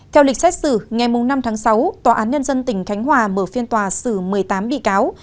theo lịch xét xử ngày năm tháng sáu tòa án nhân dân tỉnh khánh hòa mở phiên tòa xử một mươi tám bị cáo